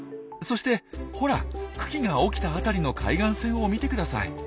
そしてほら群来が起きた辺りの海岸線を見てください。